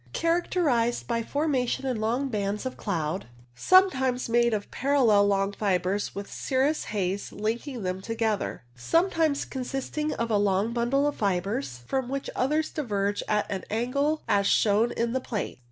Characterized by formation in long bands of cloud, sometimes made of parallel long fibres with cirrus haze linking them together, sometimes con sisting of a long bundle of fibres, from which others diverge at an angle as shown in the plate.